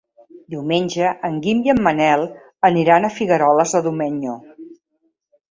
Diumenge en Guim i en Manel aniran a Figueroles de Domenyo.